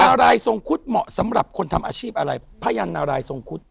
นารายสงครุฑเหมาะสำหรับคนทำอาชีพอะไรพ่ายันนารายสงครุฑ